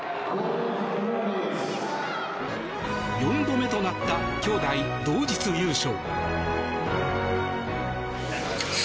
４度目となった兄妹同日優勝。